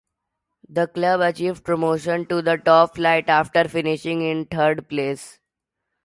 The club achieved promotion to the top flight after finishing in third place.